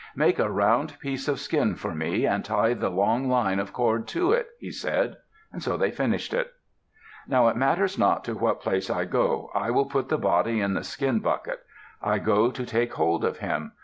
"Make a round piece of skin for me, and tie the long line of cord to it," he said. So they finished it. "Now it matters not to what place I go, I will put the body in the skin bucket. I go to take hold of him.